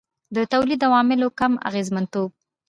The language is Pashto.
د تولید د عواملو کم اغېزمنتوب.